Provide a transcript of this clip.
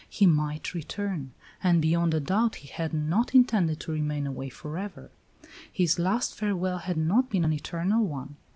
He might return, and beyond a doubt he had not intended to remain away for ever; his last farewell had not been an eternal one.